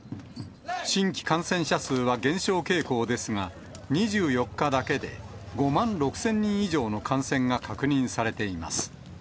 新規感染者数は減少傾向ですが、２４日だけで５万６０００人以上の感染が確認されています。